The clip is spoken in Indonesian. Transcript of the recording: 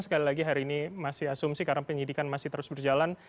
sekali lagi hari ini masih asumsi karena penyidikan masih terus berjalan